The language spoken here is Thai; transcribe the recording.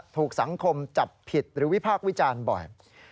ถูกสังคมจับผิดหรือวิพากษ์วิจารณ์บ่อย